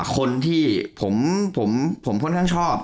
คนที่ผมค่อนข้างชอบ